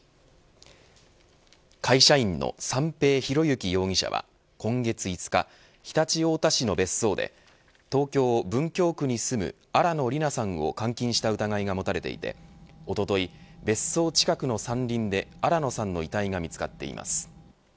会社員の三瓶博幸容疑者は今月５日常陸太田市の別荘で東京、文京区に住む新野りなさんを監禁した疑いが持たれていておととい、別荘近くの３人で新野さんの遺体が見つかっています。